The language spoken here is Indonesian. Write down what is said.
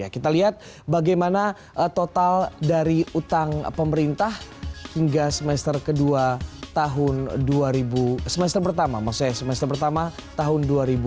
kita lihat bagaimana total dari utang pemerintah hingga semester pertama tahun dua ribu tujuh belas